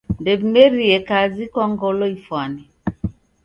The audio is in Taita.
Ndew'imerie kazi kwa ngelo ifwane.